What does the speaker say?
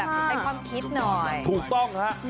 ใช้ความคิดหน่อย